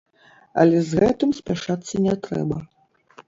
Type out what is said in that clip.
Але з гэтым спяшацца не трэба.